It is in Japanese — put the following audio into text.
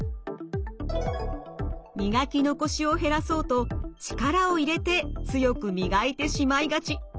磨き残しを減らそうと力を入れて強く磨いてしまいがち。